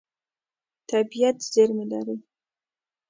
طبیعت زېرمې لري.